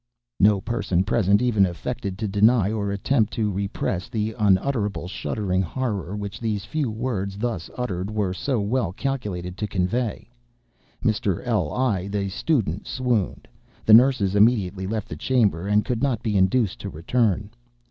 No person present even affected to deny, or attempted to repress, the unutterable, shuddering horror which these few words, thus uttered, were so well calculated to convey. Mr. L—l (the student) swooned. The nurses immediately left the chamber, and could not be induced to return.